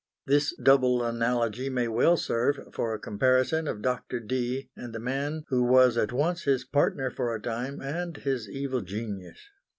This double analogy may well serve for a comparison of Dr. Dee and the man who was at once his partner for a time, and his evil genius.